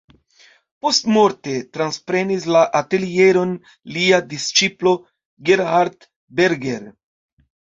Postmorte transprenis la atelieron lia disĉiplo Gerhard Berger.